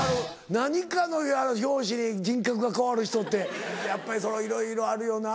何かの拍子に人格が変わる人ってやっぱりそのいろいろあるよな。